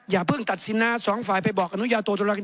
อย่าเพิ่งตัดสินนะสองฝ่ายไปบอกกันอย่าโตตัวละกัน